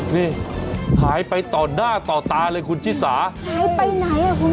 นี่หายไปต่อหน้าต่อตาเลยคุณชิสาหายไปไหนอ่ะคุณ